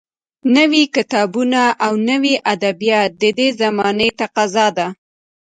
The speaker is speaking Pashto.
نوي کتابونه او نوي ادبیات د دې زمانې تقاضا ده